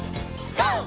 ＧＯ！